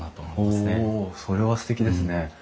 それはすてきですね。